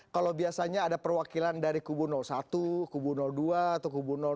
kalau biasanya ada perwakilan dari kubu satu kubu dua atau kubu dua